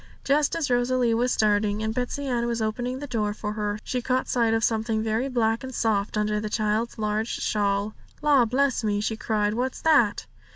Just as Rosalie was starting, and Betsey Ann was opening the door for her, she caught sight of something very black and soft under the child's large shawl. 'La, bless me!' she cried; 'what's that?'